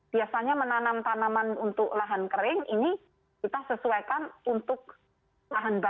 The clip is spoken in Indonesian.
biasanya menanam tanaman untuk lahan kering ini kita sesuaikan untuk bahan bakar